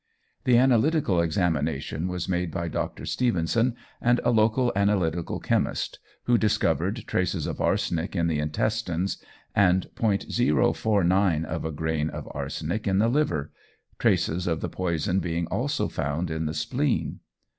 The analytical examination was made by Dr. Stevenson and a local analytical chemist, who discovered traces of arsenic in the intestines, and .049 of a grain of arsenic in the liver, traces of the poison being also found in the spleen.